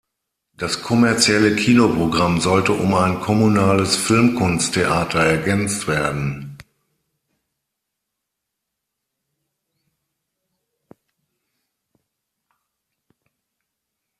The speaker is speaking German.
Das kommerzielle Kinoprogramm sollte um ein kommunales Filmkunsttheater ergänzt werden.